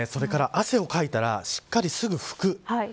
汗をかいたらしっかりすぐ拭く。